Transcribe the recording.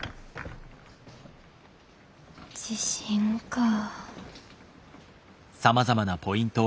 自信かぁ。